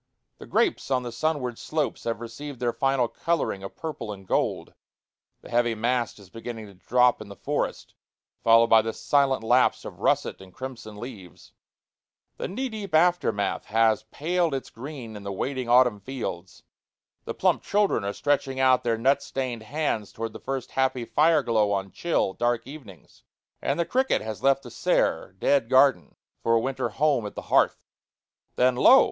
The grapes on the sunward slopes have received their final coloring of purple and gold; the heavy mast is beginning to drop in the forest, followed by the silent lapse of russet and crimson leaves; the knee deep aftermath has paled its green in the waiting autumn fields; the plump children are stretching out their nut stained hands towards the first happy fire glow on chill, dark evenings; and the cricket has left the sere, dead garden for a winter home at the hearth. Then, lo!